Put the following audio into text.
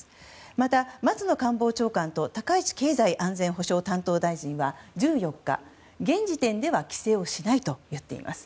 また、松野官房長官と高市経済安全保障担当大臣は１４日現時点では規制をしないと言っています。